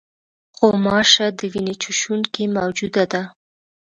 غوماشه د وینې چوشوونکې موجوده ده.